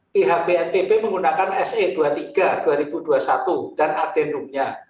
pihak bnpb menggunakan se dua puluh tiga dua ribu dua puluh satu dan adendumnya